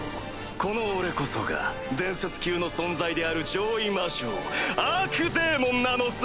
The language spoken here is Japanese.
この俺こそが伝説級の存在である上位魔将アークデーモンなのさ！